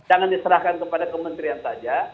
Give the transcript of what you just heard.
jangan diserahkan kepada kementerian saja